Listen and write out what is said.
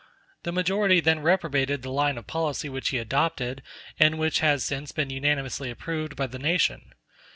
The majority then reprobated the line of policy which he adopted, and which has since been unanimously approved by the nation.